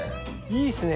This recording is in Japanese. いいっすね